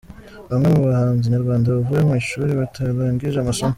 Bamwe mu bahanzi nyarwanda bavuye mu ishuri batarangije amasomo:.